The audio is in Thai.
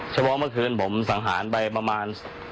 เฉพาะเมื่อคืนผมสังหารไปประมาณ